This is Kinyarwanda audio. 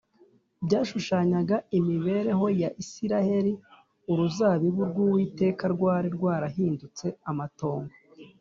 , byashushanyaga imibereho ya Isiraheli. Uruzabibu rw’Uwiteka rwari rwarahindutse amatongo